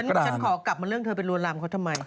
นี่ฉันขอกลับมาเรื่องเธอไปลวนลามเขาทำไม